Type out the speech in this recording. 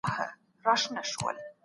ازادي د حکومتونو لخوا اعلانیږي.